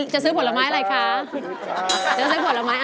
จะซื้อผลไม้อะไรครับ